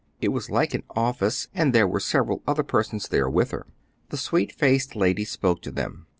It was like an office, and there were several other persons there with her. The sweet faced lady spoke to them.